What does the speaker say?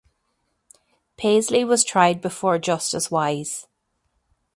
Peisley was tried before Justice Wise.